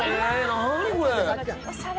何これ。